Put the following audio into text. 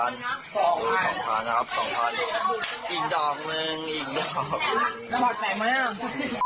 ๒๐๐๐นะครับ๒๐๐๐อีกดอกนึงอีกดอก